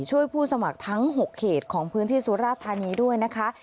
ผู้สมัครทั้ง๖เขตของพื้นที่สุราธานีด้วยนะคะ